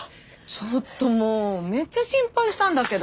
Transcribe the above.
ちょっともうめっちゃ心配したんだけど。